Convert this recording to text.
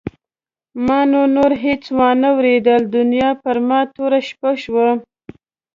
ما نو نور هېڅ وانه ورېدل دنیا پر ما توره شپه شوه.